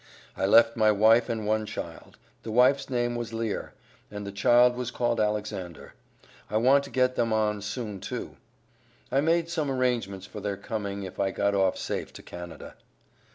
"I left my wife, and one child; the wife's name was Lear, and the child was called Alexander. I want to get them on soon too. I made some arrangements for their coming if I got off safe to Canada."